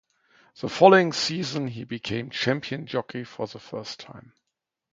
The following season he became champion jockey for the first time.